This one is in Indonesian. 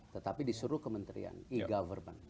tetapi disuruh kementerian e government